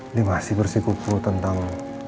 ini masih bersikupu tentang